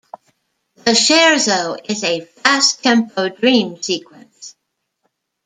The scherzo is a fast-tempo dream sequence.